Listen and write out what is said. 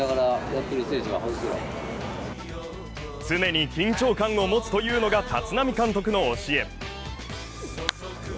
常に緊張感を持つというのが立浪監督の教え。